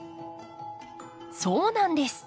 そうなんです。